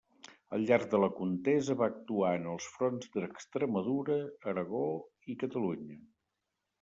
Al llarg de la contesa va actuar en els fronts d'Extremadura, Aragó i Catalunya.